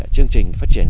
chương trình phát triển